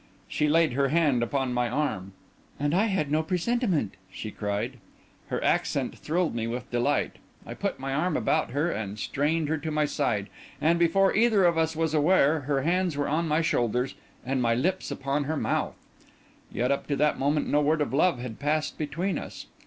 She laid her hand upon my arm. "And I had no presentiment!" she cried. Her accent thrilled me with delight. I put my arm about her, and strained her to my side; and, before either of us was aware, her hands were on my shoulders and my lips upon her mouth. Yet up to that moment no word of love had passed between us.